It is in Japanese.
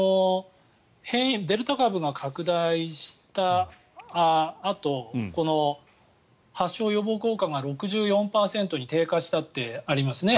デルタ株が拡大したあと発症予防効果が６４％に低下したってありますよね。